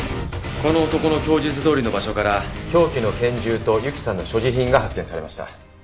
この男の供述どおりの場所から凶器の拳銃と由紀さんの所持品が発見されました。